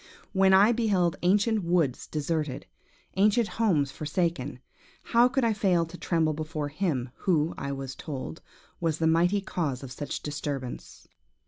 When I beheld ancient woods deserted, ancient homes forsaken, how could I fail to tremble before him who, I was told, was the mighty cause of such disturbance?